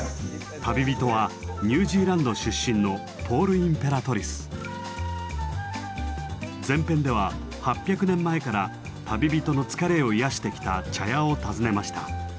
旅人はニュージーランド出身の前編では８００年前から旅人の疲れを癒やしてきた茶屋を訪ねました。